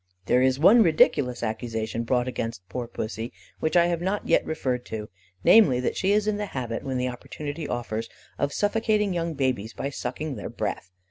There is one ridiculous accusation brought against poor Pussy, which I have not yet referred to, namely, that she is in the habit, when the opportunity offers, of suffocating young babies by sucking their breath.